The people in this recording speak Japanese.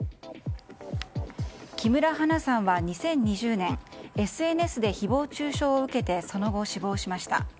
木村花さんは２０２０年ＳＮＳで誹謗中傷を受けてその後、死亡しました。